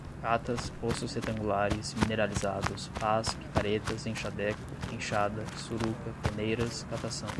catas, poços retangulares, mineralizados, pás, picaretas, enxadeco, enxada, suruca, peneiras, catação